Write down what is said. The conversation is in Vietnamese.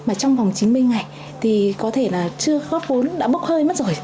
mà trong vòng chín mươi ngày thì có thể là chưa góp vốn đã bốc hơi mất rồi